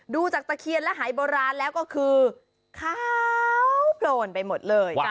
ดูจากตะเคียนและหายโบราณแล้วก็คือขาวโพลนไปหมดเลย